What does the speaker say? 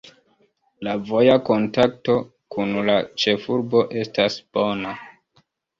La voja kontakto kun la ĉefurbo estas bona.